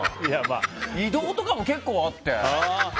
移動とかも結構あって。